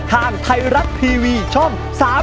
ทางไทยรัฐทีวีช่อง๓๒